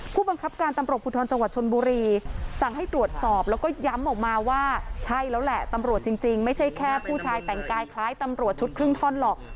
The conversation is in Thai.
ผู้บังคับการตำรวจภูทรจังหวัดชนบุรีสั่งให้ตรวจสอบแล้วก็ย้ำออกมาว่าใช่แล้วแหละตำรวจจริงไม่ใช่แค่ผู้ชายแต่งกายคล้ายตำรวจชุดครึ่งท่อนหรอก